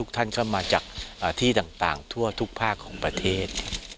ท่านก็มาจากที่ต่างทั่วทุกภาคของประเทศ